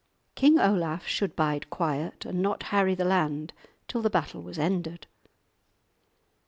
King Olaf should bide quiet, and not harry the land till the battle was ended.